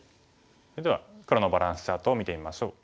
それでは黒のバランスチャートを見てみましょう。